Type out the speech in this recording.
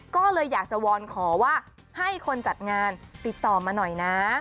ก็เลยอยากจะวอนขอว่าให้คนจัดงานติดต่อมาหน่อยนะ